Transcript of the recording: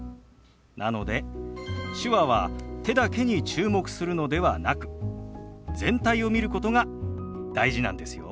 なので手話は手だけに注目するのではなく全体を見ることが大事なんですよ。